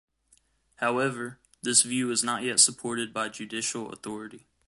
However, this view is not yet supported by judicial authority.